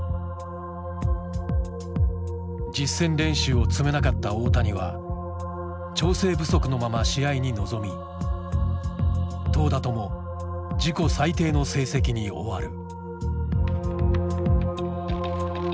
実戦練習を積めなかった大谷は調整不足のまま試合に臨み投打とも自己最低の成績に終わる。